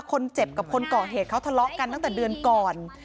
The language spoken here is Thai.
คนเจ็บกับคนก่อเหตุเขาทะเลาะกันตั้งแต่เดือนก่อน